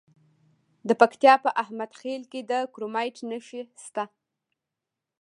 د پکتیا په احمد خیل کې د کرومایټ نښې شته.